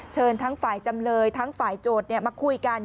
เชิญทั้งฝ่ายจำเลยทั้งฝ่ายโจทย์มาคุยกัน